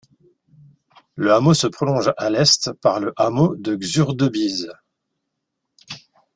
Le hameau se prolonge à l'est par le hameau de Xhurdebise.